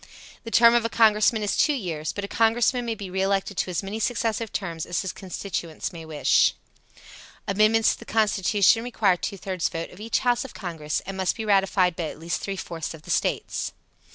The term of a Congressman is two years, but a Congressman may be re elected to as many successive terms as his constituents may wish. Amendments to the Constitution requires two thirds vote of each house of Congress and must be ratified by at least three fourths of the States.